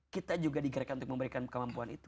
kita juga digerakkan untuk memberikan kemampuan itu